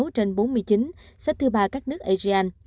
sáu trên bốn mươi chín xếp thứ ba các nước asean